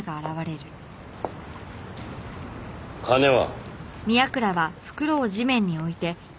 金は？